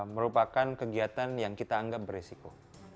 merupakan kegiatan yang kita anggap beresiko